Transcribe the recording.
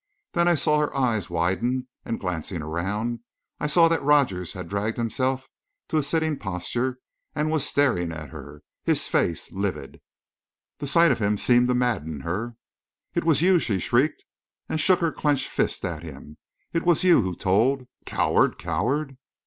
Then I saw her eyes widen, and, glancing around, I saw that Rogers had dragged himself to a sitting posture, and was staring at her, his face livid. The sight of him seemed to madden her. "It was you!" she shrieked, and shook her clenched fist at him. "It was you who told! Coward! Coward!"